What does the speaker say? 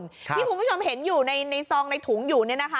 ที่คุณผู้ชมเห็นอยู่ในซองในถุงอยู่เนี่ยนะคะ